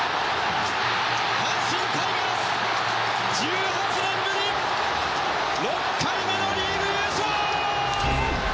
阪神タイガース１８年ぶり６回目のリーグ優勝！